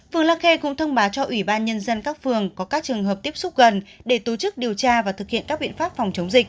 phường la khê cũng thông báo cho ủy ban nhân dân các phường có các trường hợp tiếp xúc gần để tổ chức điều tra và thực hiện các biện pháp phòng chống dịch